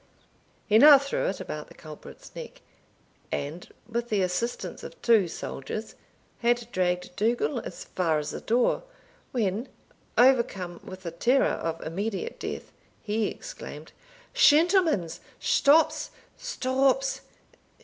He now threw it about the culprit's neck, and, with the assistance of two soldiers, had dragged Dougal as far as the door, when, overcome with the terror of immediate death, he exclaimed, "Shentlemans, stops stops!